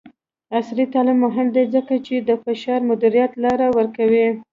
عصري تعلیم مهم دی ځکه چې د فشار مدیریت لارې ورکوي.